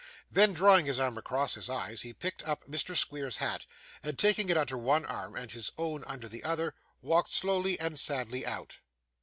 Then drawing his arm across his eyes, he picked up Mr. Squeers's hat, and taking it under one arm, and his own under the other, walked slowly and sadly out.